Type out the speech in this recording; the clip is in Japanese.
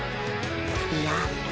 いや